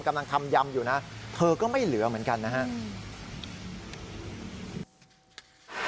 กำลังทำยำอยู่นะเธอก็ไม่เหลือเหมือนกันนะครับ